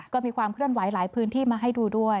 ก็มีความเคลื่อนไหวหลายพื้นที่มาให้ดูด้วย